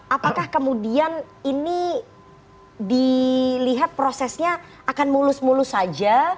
apakah kemudian ini dilihat prosesnya akan mulus mulus saja